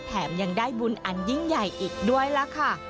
แถมยังได้บุญอันยิ่งใหญ่อีกด้วยล่ะค่ะ